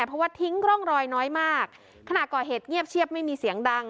เพราะว่าทิ้งร่องรอยน้อยมากขณะก่อเหตุเงียบเชียบไม่มีเสียงดัง